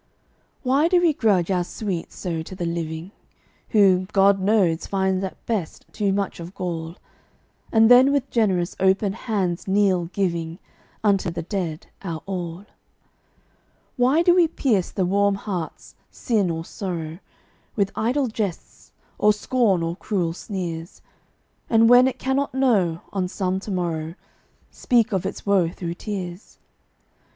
Why do we grudge our sweets so to the living Who, God knows, find at best too much of gall, And then with generous, open hands kneel, giving Unto the dead our all? Why do we pierce the warm hearts, sin or sorrow, With idle jests, or scorn, or cruel sneers, And when it cannot know, on some to morrow, Speak of its woe through tears?